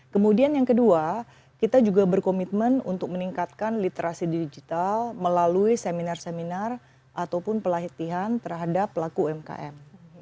kemudian yang kedua kita juga berkomitmen untuk meningkatkan literasi digital melalui seminar seminar ataupun pelatihan terhadap pelaku umkm